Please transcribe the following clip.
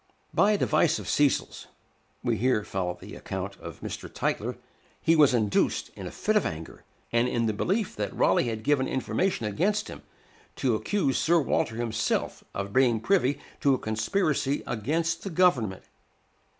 By a device of Cecil's (we here follow the account of Mr. Tytler) he was induced, in a fit of anger, and in the belief that Raleigh had given information against him, to accuse Sir Walter himself of being privy to a conspiracy against the government.